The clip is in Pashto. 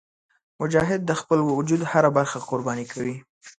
مجاهد د خپل وجود هره برخه قرباني کوي.